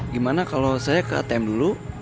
gimana kalau saya ke atm dulu